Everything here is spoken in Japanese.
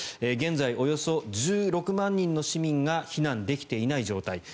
現在、およそ１６万人の市民が避難できていない状態。